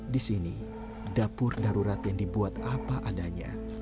di sini dapur darurat yang dibuat apa adanya